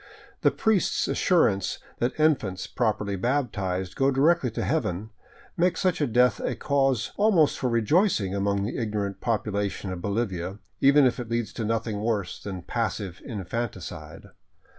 The priest's assurance that infants, properly baptized, go directly to heaven makes such a death the cause almost for rejoicing among the ignorant population of Bolivia, even if it leads to nothing worse than passive infanticide.